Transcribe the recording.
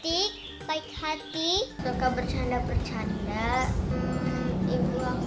aku itu bayi sama bunda itu orangnya penyayang